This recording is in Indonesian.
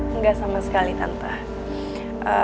enggak sama sekali tante